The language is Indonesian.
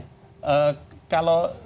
kalau menurut pendapat tadi pak gubernur kan